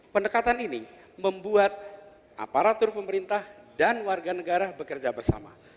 pendekatan ini membuat aparatur pemerintah dan warga negara bekerja bersama